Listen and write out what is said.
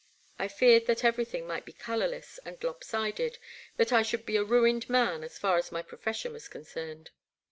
I feared that everything might be colourless and lop sided, that I should be a ruined man as far as my profession was concerned.